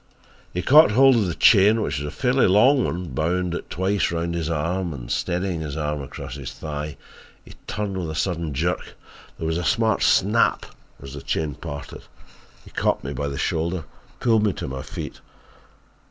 "He caught hold of the chain, which was a fairly long one, bound it twice round his arm and steadying his arm across his thigh, he turned with a sudden jerk. There was a smart 'snap' as the chain parted. He caught me by the shoulder and pulled me to my feet.